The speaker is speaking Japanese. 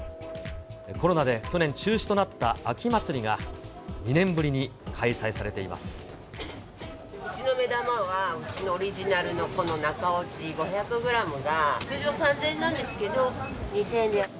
コロナで去年中止となった秋まつりが、２年ぶりに開催されていまうちの目玉は、うちのオリジナルのこの中落ち５００グラムが通常３０００円なんですけど、２０００円で。